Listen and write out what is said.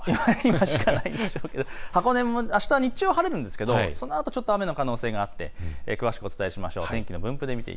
あした日中は晴れるんですけどそのあと雨の可能性があって詳しくお伝えしましょう。